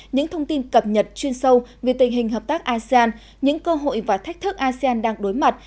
những thông tin cập nhật chuyên sâu về tình hình hợp tác asean những cơ hội và thách thức asean đang đối mặt